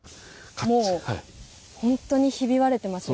本当にひび割れていますね。